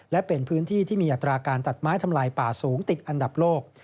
และเป็นพื้นที่ที่มีอัตราการตัดไม้ทำลายป่าสูงติดอันดับโลก